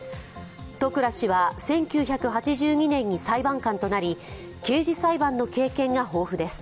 戸倉氏は、１９８２年に裁判官となり、刑事裁判の経験が豊富です。